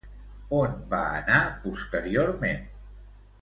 On va anar posteriorment?